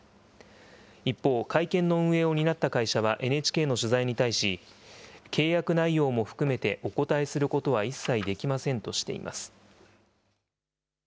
一方、会見の運営を担った会社はＮＨＫの取材に対し、契約内容も含めて、お答えすることは一切できませんとしています。